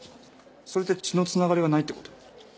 それって血のつながりがないってこと？